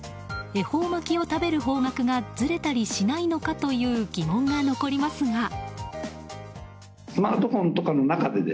恵方巻きを食べる方角がずれたりしないのかという疑問が残りますが。